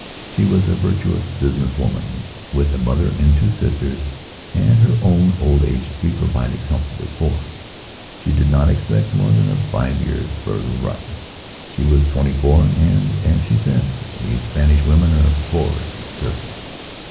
She was a virtuous business woman with a mother and two sisters and her own old age to be provided comfortably for. She did not expect more than a five years' further run. She was twenty four and, as she said: "We Spanish women are horrors at thirty."